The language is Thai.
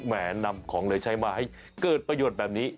แห่นำของเลยใช้มาให้เกิดประโยชน์แบบนี้